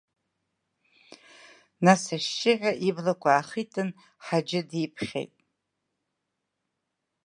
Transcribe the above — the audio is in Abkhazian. Нас ашьшьыҳәа иблақәа аахитын Ҳаџьы диԥхьеит.